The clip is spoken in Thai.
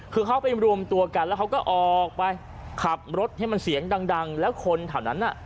คือเขาไปรวมตัวกันแล้วเขาก็ออกไปขับรถให้มันเสียงดังแล้วคนแถวนั้นน่ะ